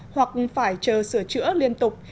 hoặc phải chờ sửa chữa liên tục